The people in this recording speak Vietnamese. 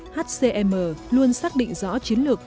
hcm luôn xác định rõ chiến lược